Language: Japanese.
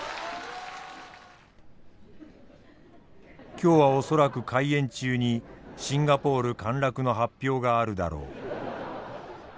「今日は恐らく開演中にシンガポール陥落の発表があるだろう。